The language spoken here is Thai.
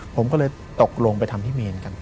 ผมก็เลยตกลงไปทำพี่เมนกัน